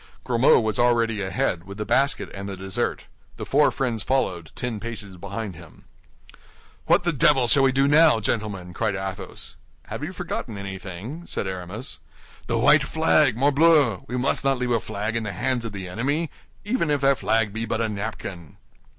Grimaud was already ahead, with the basket and the dessert. The four friends followed, ten paces behind him. "What the devil shall we do now, gentlemen?" cried Athos. "Have you forgotten anything?" said Aramis. "The white flag, morbleu! We must not leave a flag in the hands of the enemy, even if that flag be but a napkin."